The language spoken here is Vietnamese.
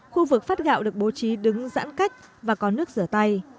khu vực phát gạo được bố trí đứng giãn cách và có nước rửa tay